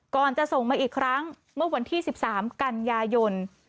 ก่อนจะส่งมาอีกครั้งเมื่อวันที่สิบสามกันยายน